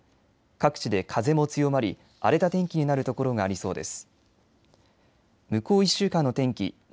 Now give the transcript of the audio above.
各地で風も強まり荒れた天気になる所がありそうです。